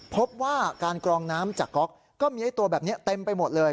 พบว่าการกรองน้ำจากก๊อกก็มีไอ้ตัวแบบนี้เต็มไปหมดเลย